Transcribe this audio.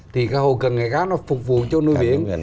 thì cái hậu cận nghề cá nó phục vụ cho nuôi biển